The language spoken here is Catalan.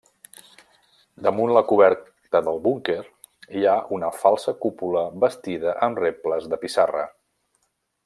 Damunt la coberta del búnquer hi ha una falsa cúpula bastida amb rebles de pissarra.